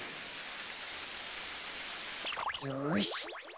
よし。